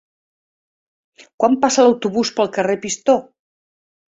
Quan passa l'autobús pel carrer Pistó?